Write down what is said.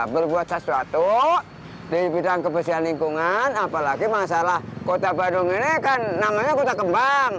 berbuat sesuatu di bidang kebersihan lingkungan apalagi masalah kota bandung ini kan namanya kota kembang